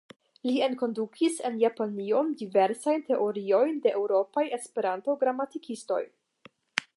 Li enkondukis en Japanion diversajn teoriojn de eŭropaj Esperanto-gramatikistoj.